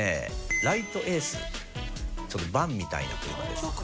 ライトエースちょっとバンみたいな車です。